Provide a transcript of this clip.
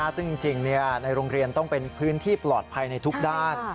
ซึ่งจริงในโรงเรียนต้องเป็นพื้นที่ปลอดภัยในทุกด้าน